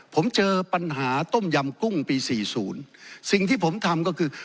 ผมเจอปัญหาต้มยำกุ้งปีสี่ศูนย์สิ่งที่ผมทำก็คือ